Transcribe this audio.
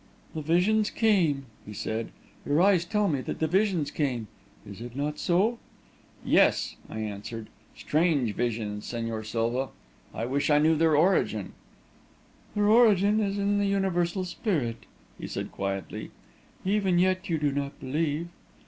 "The visions came," he said. "Your eyes tell me that the visions came. Is it not so?" "Yes," I answered; "strange visions, Señor Silva. I wish I knew their origin." "Their origin is in the Universal Spirit," he said, quietly. "Even yet you do not believe."